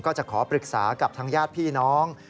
ก็จะขอปรึกษากับทางญาติพี่น้อง